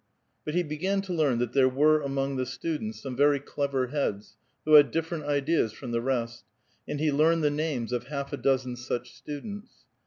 But he began to learn that there were among the students some very clever heads, who had different ideas from the rest, and he learned the names of half a dozen such students.